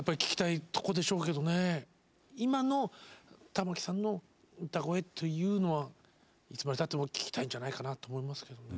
今の玉置さんの歌声というのはいつまでたっても聴きたいんじゃないかなと思いますけどね。